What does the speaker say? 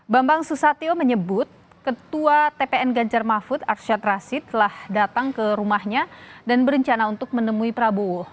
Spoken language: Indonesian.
bambang susatyo menyebut ketua tpn ganjar mahfud arsyad rashid telah datang ke rumahnya dan berencana untuk menemui prabowo